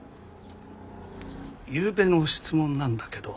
ゆうべの質問なんだけど。